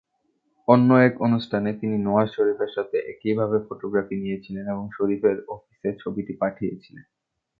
অন্য এক অনুষ্ঠানে তিনি নওয়াজ শরীফের সাথে একইভাবে ফটোগ্রাফি নিয়েছিলেন এবং শরীফের অফিসে ছবিটি পাঠিয়েছিলেন।